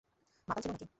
মাতাল ছিল নাকি?